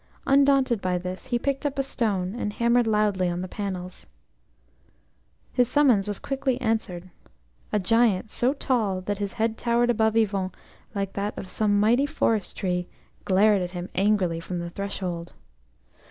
Undaunted by this, he picked up a stone, and hammered loudly on the panels. His summons was quickly answered. A Giant, so tall that his head towered above Yvon like that of some mighty forest tree, glared at him angrily from the threshold.